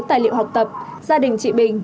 tài liệu học tập gia đình chị bình